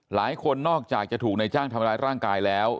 หลายคนนอกจากจะถูกในจ้างทำร้ายร่างกายแล้ว